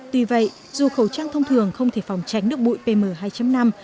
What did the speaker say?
tuy vậy dù khẩu trang thông thường không thể phòng tránh được bụi pm hai năm